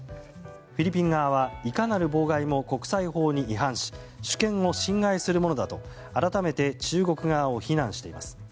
フィリピン側はいかなる妨害も国際法に違反し主権を侵害するものだと改めて中国側を非難しています。